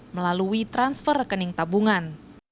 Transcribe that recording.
melalui transfer rekening tabungan